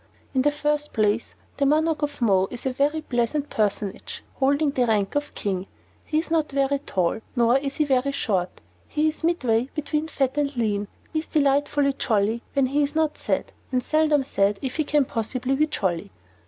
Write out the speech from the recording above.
In the first place, the Monarch of Mo is a very pleasant personage holding the rank of King. He is not very tall, nor is he very short; he is midway between fat and lean; he is delightfully jolly when he is not sad, and seldom sad if he can possibly be jolly.